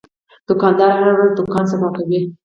دوکاندار هره ورځ دوکان صفا کوي.